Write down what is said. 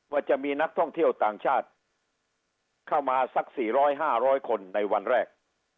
ว่าจะมีนักท่องเที่ยวต่างชาติเข้ามาสักสี่ร้อยห้าร้อยคนในวันแรก